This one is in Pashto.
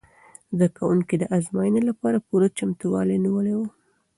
زده کوونکو د ازموینې لپاره پوره چمتووالی نیولی و.